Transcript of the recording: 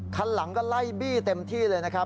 คันหลังก็ไล่บี้เต็มที่เลยนะครับ